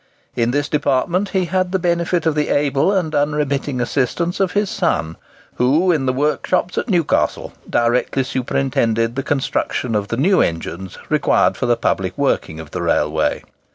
In this department he had the benefit of the able and unremitting assistance of his son, who, in the workshops at Newcastle, directly superintended the construction of the new engines required for the public working of the railway.